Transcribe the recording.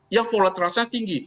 yang volatilitasnya tinggi